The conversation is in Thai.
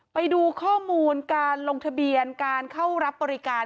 ไปดูข้อมูลการลงทะเบียนการเข้ารับบริการ